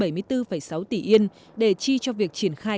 và đề xuất khoản ngân sách bảy mươi bốn sáu tỷ yên để chi cho việc triển khai